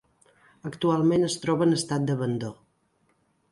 Actualment es troba en estat d'abandó.